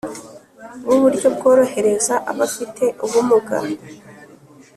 bu buryo bworohereza abafite ubumuga